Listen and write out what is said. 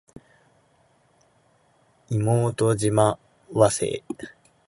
妹島和世